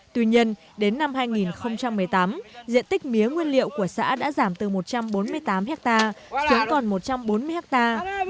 tuy nhiên đến năm hai nghìn một mươi tám diện tích mía nguyên liệu của xã đã giảm từ một trăm bốn mươi tám hectare xuống còn một trăm bốn mươi hectare